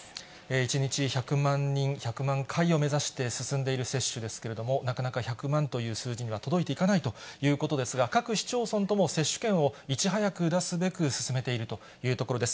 １日１００万人、１００万回を目指して進んでいる接種ですけれども、なかなか１００万という数字には届いていかないということですが、各市町村とも接種券をいち早く出すべく進めているというところです。